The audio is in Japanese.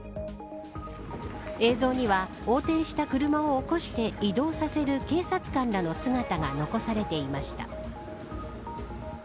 映像には、横転した車を起こして移動させる警察官らの姿が残されていました。